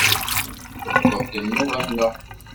Tewweḍ-d nnuba-nneɣ!